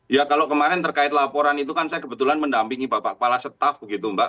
ya kalau kemarin terkait laporan itu kan saya kebetulan mendampingi bapak kepala staff begitu mbak